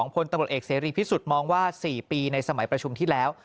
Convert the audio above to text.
พลตำรวจเอกเสรีพิสุทธิ์มองว่า๔ปีในสมัยประชุมที่แล้ว